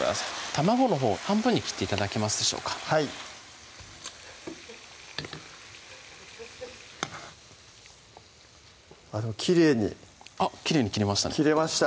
卵のほう半分に切って頂けますでしょうかはいきれいにあっきれいに切れましたね切れました